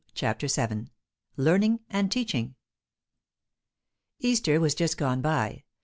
CHAPTER VII LEARNING AND TEACHING Easter was just gone by.